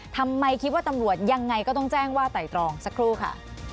ทำไมคิดว่าตำรวจยังไงก็ต้องแจ้งว่าไต่ตรองสักครู่ค่ะ